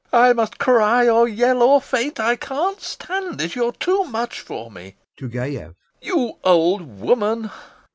LOPAKHIN. I must cry or yell or faint. I can't stand it! You're too much for me! [To GAEV] You old woman!